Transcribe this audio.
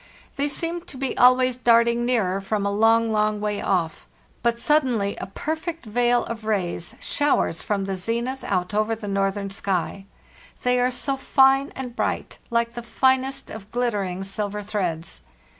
They seem to be always darting nearer from a long, long way off. But suddenly a perfect veil of rays showers from the zenith out over the northern sky; they are so fine and bright, like the finest of ghttering silver threads.